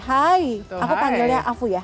hai aku panggilnya afu ya